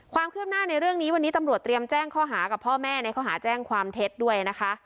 ความคืบหน้าในเรื่องนี้วันนี้ตำรวจเตรียมแจ้งข้อหากับพ่อแม่ในข้อหาแจ้งความเท็จด้วยนะคะ